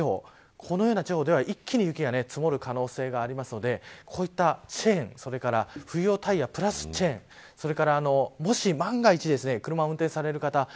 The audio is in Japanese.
このような地方では一気に雪が積もる可能性があるのでこういったチェーンそれから冬用タイヤプラスチェーンそれから万が一車を運転される方。